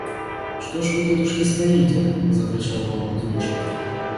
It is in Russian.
«Что ж вы, детушки, стоите? – закричал Иван Кузмич.